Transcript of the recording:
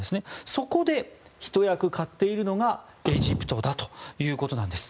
そこでひと役買っているのがエジプトだということなんです。